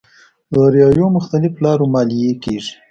داراییو مختلف لارو ماليې کېږي.